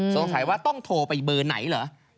สงสัยว่าต้องโทรไปเบอร์ไหนเหรอ